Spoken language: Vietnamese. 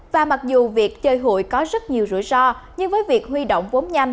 và mặc dù việc chơi hụi có rất nhiều rủi ro nhưng với việc huy động vốn nhanh